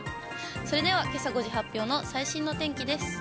それではけさ５時発表の最新の天気です。